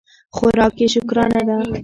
خوراک یې شکرانه ده.